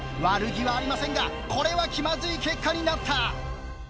悪気はありませんがこれは気まずい結果になった。